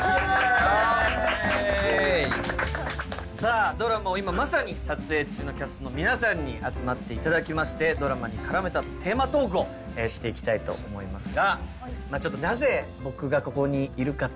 さぁドラマを今まさに撮影中のキャストの皆さんに集まっていただきましてドラマに絡めたテーマトークをしていきたいと思いますが。